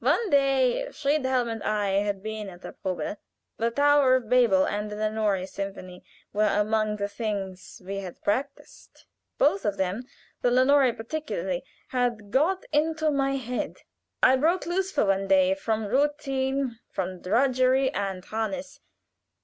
"One day Friedhelm and I had been at a probe. The 'Tower of Babel' and the 'Lenore' Symphony were among the things we had practiced. Both of them, the 'Lenore' particularly, had got into my head. I broke lose for one day from routine, from drudgery and harness.